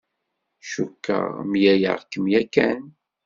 Cukkeɣ mlaleɣ-kem yakan.